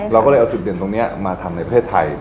เราก็เลยเอาจุดเด่นตรงนี้มาทำในประเทศไทย